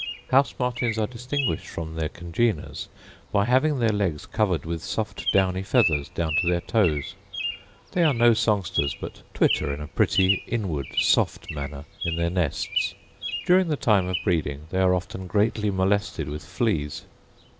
House martins ate distinguished from that congeners by having that legs coveted with soft downy feathers down to their toes. They are no songsters, but twitter in a pretty inward soft manner in their nests. During the time of breeding they are often greatly molested with fleas.